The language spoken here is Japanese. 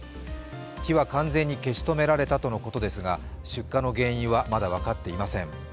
火は完全に消し止められたとのことですが、出火の原因はまだ分かっていません。